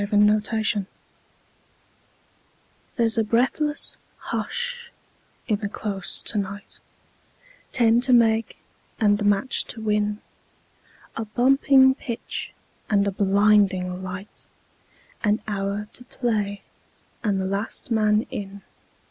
Vitaï Lampada There's a breathless hush in the Close to night Ten to make and the match to win A bumping pitch and a blinding light, An hour to play and the last man in.